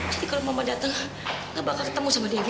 jadi kalau mama datang gak bakal ketemu sama dewi